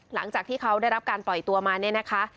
หลังจากที่เขาได้รับการปล่อยตัวมาเนี่ยนะคะ